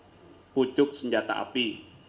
yang kedua pucuk senjata api